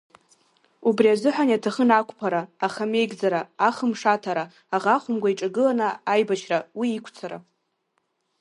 Убри азыҳәан иаҭахын ақәԥара, ахамеигӡара, ахымшаҭара, аӷа хәымга иҿагыланы аибашьра, уи иқәцара!